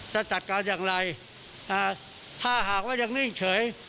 จะจัดการอย่างไรถ้าหากว่ายังนิ่งเฉย